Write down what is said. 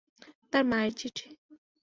তার মায়ের চিঠি।